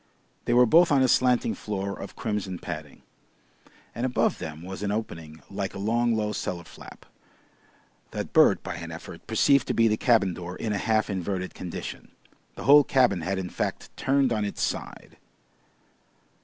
They were both on a slanting floor of crimson padding, and above them was an opening like a long, low cellar flap that Bert by an effort perceived to be the cabin door in a half inverted condition. The whole cabin had in fact turned on its side.